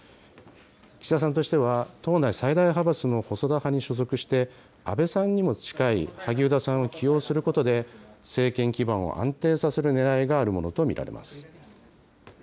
岸田さんとしては党内最大派閥の細田派に所属して、安倍さんにも近い萩生田さんを起用することで、政権基盤を安定させるねらいがあるものと見られます。